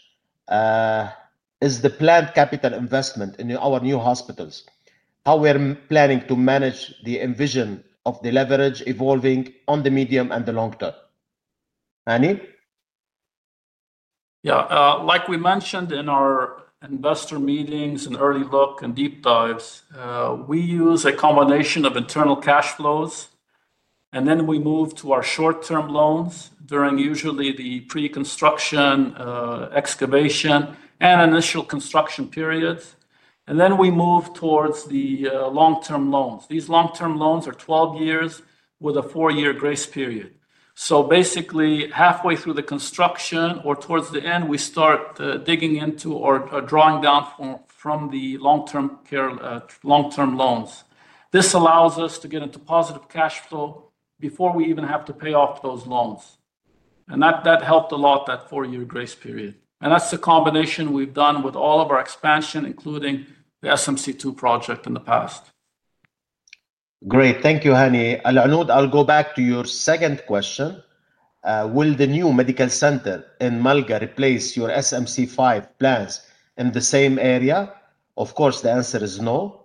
Is the planned capital investment in our new hospitals, how we're planning to manage the envision of the leverage evolving on the medium and the long term? Hany? Yeah. Like we mentioned in our investor meetings and early look and deep dives, we use a combination of internal cash flows, and then we move to our short-term loans during usually the pre-construction, excavation, and initial construction periods. We move towards the long-term loans. These long-term loans are 12 years with a four-year grace period. Basically, halfway through the construction or towards the end, we start digging into or drawing down from the long-term loans. This allows us to get into positive cash flow before we even have to pay off those loans. That helped a lot, that four-year grace period. That is the combination we have done with all of our expansion, including the SMC Two project in the past. Great. Thank you, Hany. [Lanud], I'll go back to your second question. Will the new medical center in Al Malqa replace your SMC Five plans in the same area? Of course, the answer is no.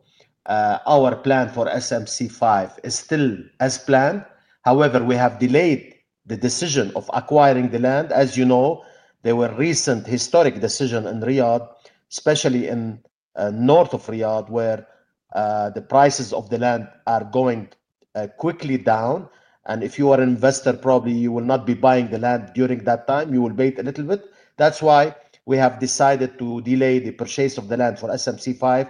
Our plan for SMC Five is still as planned. However, we have delayed the decision of acquiring the land. As you know, there were recent historic decisions in Riyadh, especially in north of Riyadh, where the prices of the land are going quickly down. If you are an investor, probably you will not be buying the land during that time. You will wait a little bit. That is why we have decided to delay the purchase of the land for SMC Five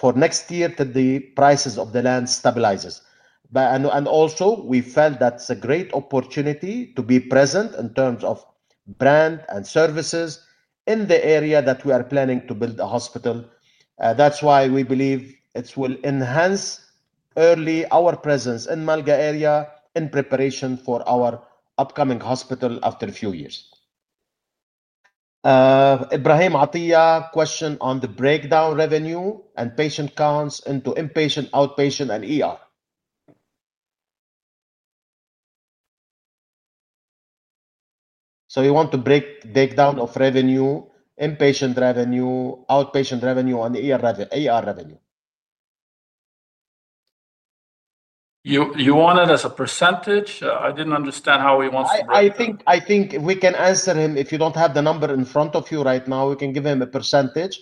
for next year till the prices of the land stabilizes. We felt that is a great opportunity to be present in terms of brand and services in the area that we are planning to build a hospital. That is why we believe it will enhance early our presence in Al Malqa area in preparation for our upcoming hospital after a few years. Ibrahim Attiya, question on the breakdown revenue and patient counts into inpatient, outpatient, and you want a breakdown of revenue, inpatient revenue, outpatient revenue, and revenue. You want it as a percentage? I didn't understand how he wants to break it down. I think we can answer him. If you don't have the number in front of you right now, we can give him a percentage.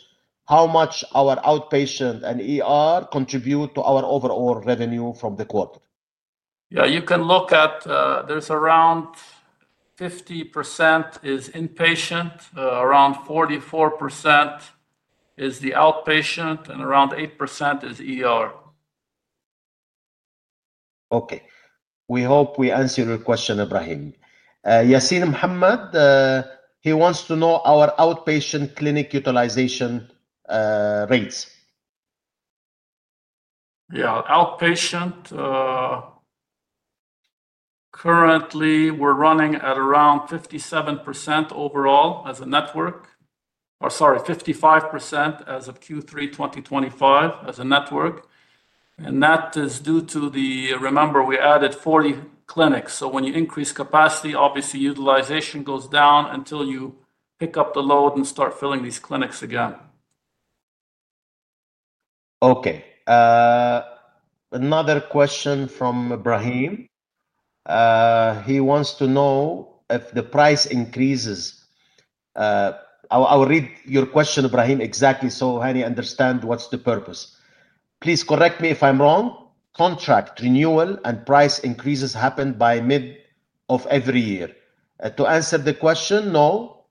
How much are outpatient and contribute to our overall revenue from the quarter? Yeah. You can look at there's around 50% is inpatient, around 44% is the outpatient, and around 8% is Okay. We hope we answered your question, Ibrahim. Yasin Mohammad, he wants to know our outpatient clinic utilization rates. Yeah. Outpatient, currently, we're running at around 57% overall as a network. Or sorry, 55% as of Q3 2025 as a network. That is due to the remember, we added 40 clinics. When you increase capacity, obviously, utilization goes down until you pick up the load and start filling these clinics again. Okay. Another question from Ibrahim. He wants to know if the price increases. I'll read your question, Ibrahim, exactly so Hany understands what's the purpose. Please correct me if I'm wrong. Contract renewal and price increases happen by mid of every year. To answer the question, no.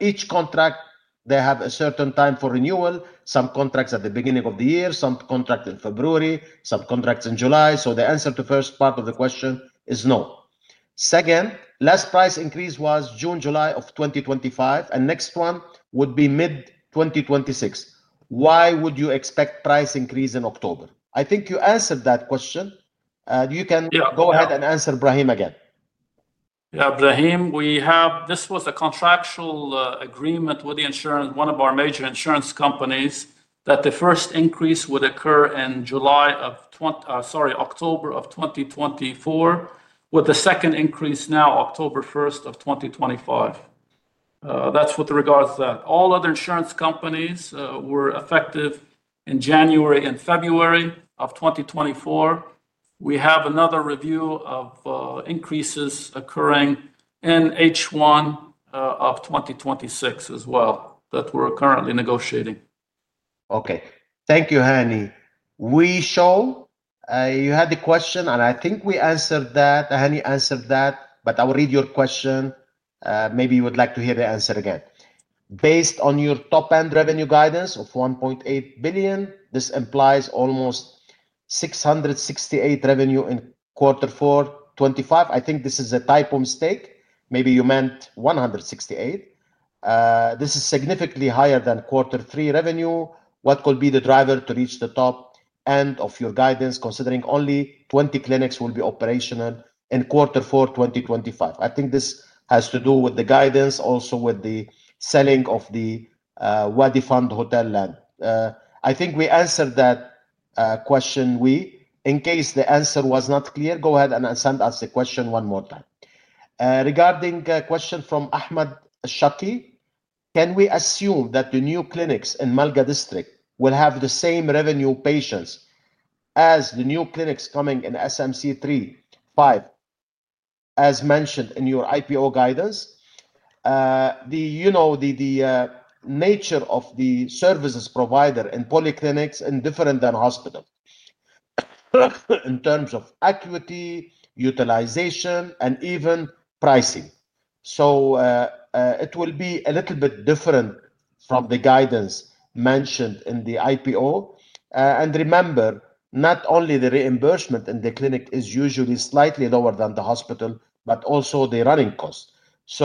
Each contract, they have a certain time for renewal. Some contracts at the beginning of the year, some contracts in February, some contracts in July. So the answer to the first part of the question is no. Second, last price increase was June, July of 2025. And next one would be mid-2026. Why would you expect price increase in October? I think you answered that question. You can go ahead and answer, Ibrahim, again. Yeah. Ibrahim, this was a contractual agreement with the insurance, one of our major insurance companies, that the first increase would occur in October of 2024, with the second increase now October 1st of 2025. That's with regards to that. All other insurance companies were effective in January and February of 2024. We have another review of increases occurring in H1 of 2026 as well that we're currently negotiating. Okay. Thank you, Hany. We show you had the question, and I think we answered that. Hany answered that, but I'll read your question. Maybe you would like to hear the answer again. Based on your top-end revenue guidance of 1.8 billion, this implies almost 668 million revenue in quarter four, 2025. I think this is a typo mistake. Maybe you meant 168 million. This is significantly higher than quarter three revenue. What could be the driver to reach the top end of your guidance, considering only 20 clinics will be operational in quarter four, 2025? I think this has to do with the guidance, also with the selling of the Wadi Fund hotel land. I think we answered that question. In case the answer was not clear, go ahead and send us the question one more time. Regarding a question from Ahmad Shaki, can we assume that the new clinics in Al Malqa District will have the same revenue patients as the new clinics coming in SMC Three, Five, as mentioned in your IPO guidance? The nature of the services provided in polyclinics is different than hospital in terms of equity, utilization, and even pricing. It will be a little bit different from the guidance mentioned in the IPO. Remember, not only the reimbursement in the clinic is usually slightly lower than the hospital, but also the running cost.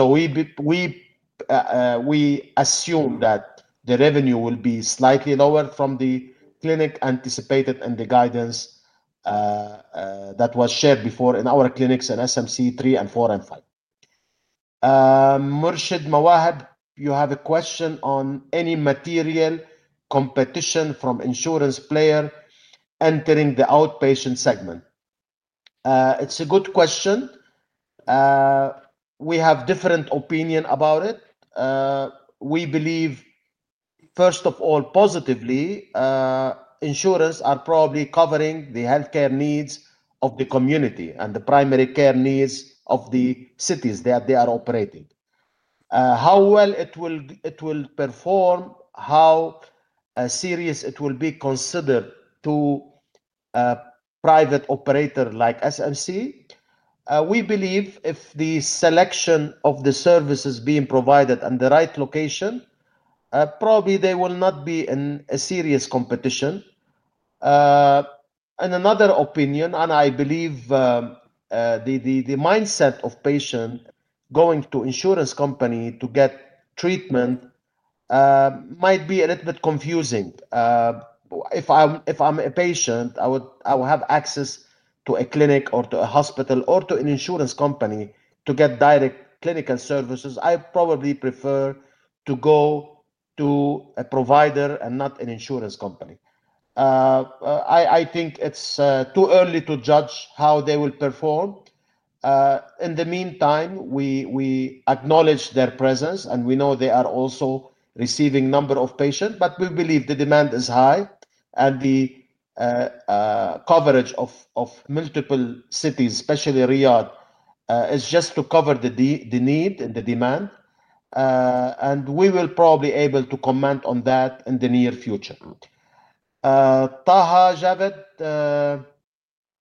We assume that the revenue will be slightly lower from the clinic anticipated in the guidance that was shared before in our clinics in SMC Three and Four and Five. Murshid Mohab, you have a question on any material competition from insurance players entering the outpatient segment. It's a good question. We have different opinions about it. We believe, first of all, positively, insurers are probably covering the healthcare needs of the community and the primary care needs of the cities that they are operating. How well it will perform, how serious it will be considered to a private operator like SMC, we believe if the selection of the services being provided in the right location, probably they will not be in a serious competition. In another opinion, and I believe the mindset of patients going to insurance companies to get treatment might be a little bit confusing. If I'm a patient, I will have access to a clinic or to a hospital or to an insurance company to get direct clinical services. I probably prefer to go to a provider and not an insurance company. I think it's too early to judge how they will perform. In the meantime, we acknowledge their presence, and we know they are also receiving a number of patients, but we believe the demand is high. The coverage of multiple cities, especially Riyadh, is just to cover the need and the demand. We will probably be able to comment on that in the near future. Taha Javed,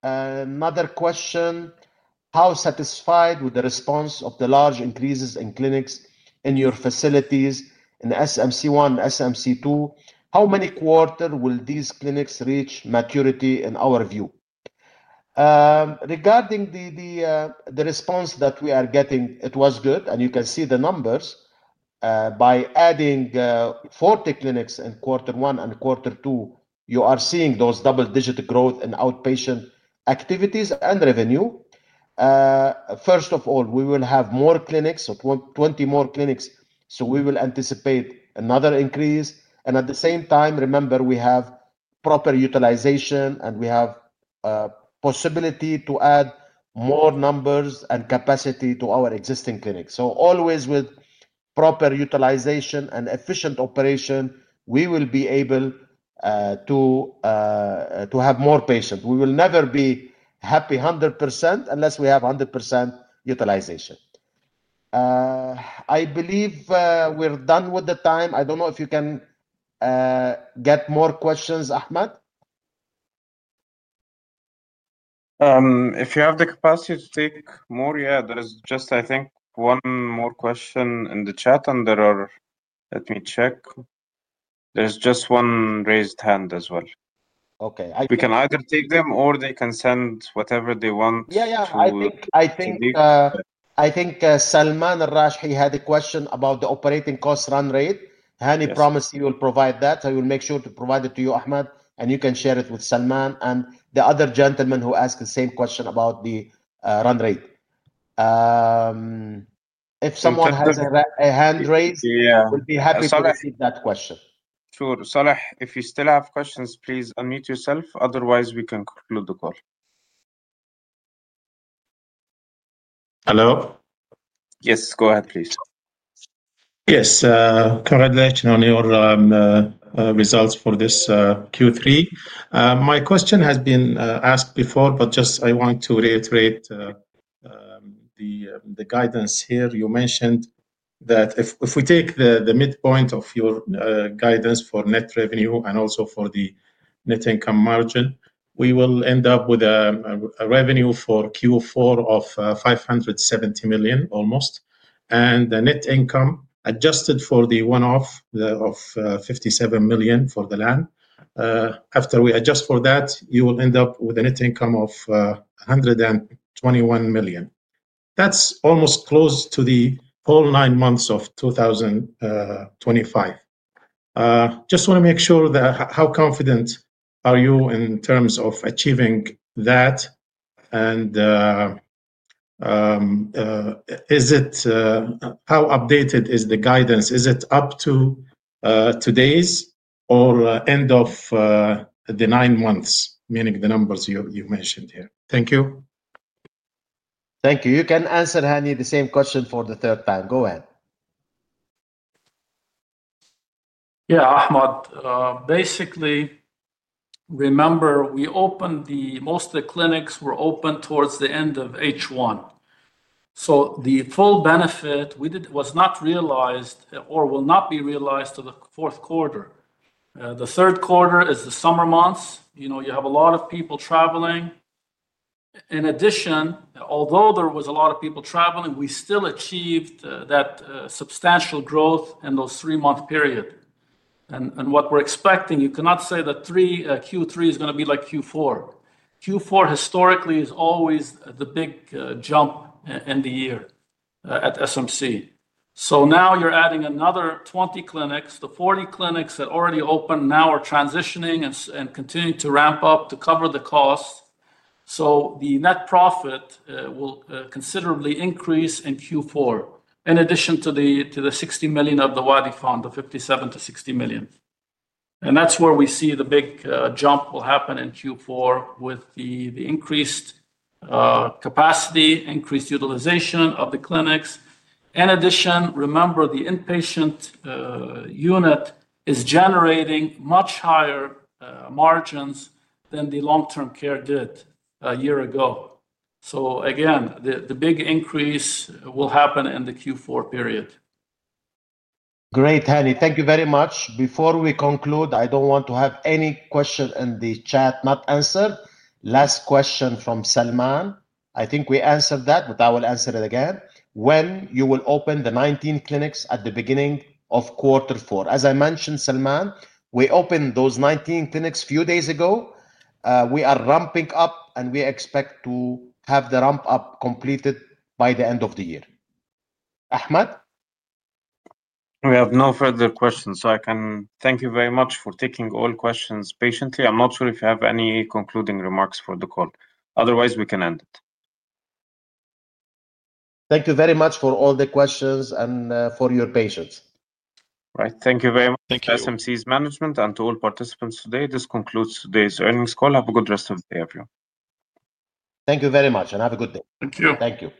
another question. How satisfied with the response of the large increases in clinics in your facilities in SMC One and SMC Two? How many quarters will these clinics reach maturity in our view? Regarding the response that we are getting, it was good. You can see the numbers. By adding 40 clinics in quarter one and quarter two, you are seeing those double-digit growth in outpatient activities and revenue. First of all, we will have more clinics, 20 more clinics. We will anticipate another increase. At the same time, remember, we have proper utilization, and we have the possibility to add more numbers and capacity to our existing clinics. Always with proper utilization and efficient operation, we will be able to have more patients. We will never be happy 100% unless we have 100% utilization. I believe we're done with the time. I do not know if you can get more questions, Ahmed. If you have the capacity to take more, yeah. There is just, I think, one more question in the chat, and there are let me check. There's just one raised hand as well. Okay. We can either take them, or they can send whatever they want to. Yeah, yeah. I think Salman Alrajhi had a question about the operating cost run rate. Hany promised he will provide that. He will make sure to provide it to you, Ahmed, and you can share it with Salman and the other gentlemen who asked the same question about the run rate. If someone has a hand raised, we'll be happy to receive that question. Sure. Saleh, if you still have questions, please unmute yourself. Otherwise, we can conclude the call. Hello? Yes. Go ahead, please. Yes. Congratulations on your results for this Q3. My question has been asked before, but just I want to reiterate the guidance here. You mentioned that if we take the midpoint of your guidance for net revenue and also for the net income margin, we will end up with a revenue for Q4 of 570 million almost. And the net income adjusted for the one-off of 57 million for the land, after we adjust for that, you will end up with a net income of 121 million. That is almost close to the whole nine months of 2025. Just want to make sure, how confident are you in terms of achieving that? And how updated is the guidance? Is it up to today's or end of the nine months, meaning the numbers you mentioned here? Thank you. Thank you. You can answer, Hany, the same question for the third time. Go ahead. Yeah, Ahmed. Basically, remember, we opened the most of the clinics were open towards the end of H1. So the full benefit was not realized or will not be realized till the fourth quarter. The third quarter is the summer months. You have a lot of people traveling. In addition, although there was a lot of people traveling, we still achieved that substantial growth in those three-month period. What we're expecting, you cannot say that Q3 is going to be like Q4. Q4 historically is always the big jump in the year at SMC. Now you're adding another 20 clinics. The 40 clinics that already opened now are transitioning and continuing to ramp up to cover the cost. The net profit will considerably increase in Q4, in addition to the 60 million of the Wadi Fund, the 57-60 million. That's where we see the big jump will happen in Q4 with the increased capacity, increased utilization of the clinics. In addition, remember, the inpatient unit is generating much higher margins than the long-term care did a year ago. Again, the big increase will happen in the Q4 period. Great, Hany. Thank you very much. Before we conclude, I do not want to have any question in the chat not answered. Last question from Salman. I think we answered that, but I will answer it again. When you will open the 19 clinics at the beginning of quarter four? As I mentioned, Salman, we opened those 19 clinics a few days ago. We are ramping up, and we expect to have the ramp-up completed by the end of the year. Ahmad? We have no further questions. So I can thank you very much for taking all questions patiently. I'm not sure if you have any concluding remarks for the call. Otherwise, we can end it. Thank you very much for all the questions and for your patience. Right. Thank you very much, SMC's management, and to all participants today. This concludes today's earnings call. Have a good rest of the day, everyone. Thank you very much, and have a good day. Thank you. Thank you.